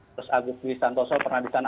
terus agustin santoso pernah di sana